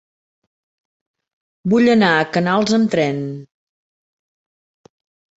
Vull anar a Canals amb tren.